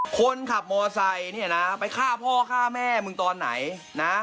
คนขับมอไซค์เนี่ยนะไปฆ่าพ่อฆ่าแม่มึงตอนไหนนะ